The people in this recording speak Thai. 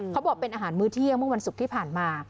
เขาบอกเป็นอาหารมื้อเที่ยงเมื่อวันศุกร์ที่ผ่านมา